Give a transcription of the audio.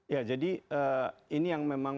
ya jadi ini yang memang